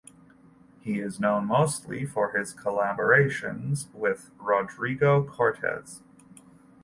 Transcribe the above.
He is known mostly for his collaborations with Rodrigo Cortes.